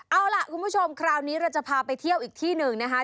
เอาล่ะคุณผู้ชมคราวนี้เราจะพาไปเที่ยวอีกที่หนึ่งนะคะ